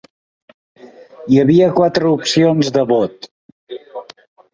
Hi havia quatre opcions de vot.